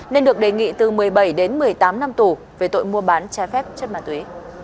nên được đề nghị từ một mươi bảy đến một mươi tám năm tù về tội mua bán trái phép chất ma túy